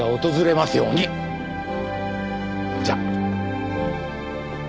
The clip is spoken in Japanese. じゃあ。